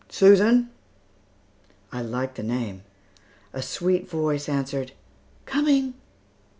Susan!" I liked the name. A sweet voice answered, "Coming!"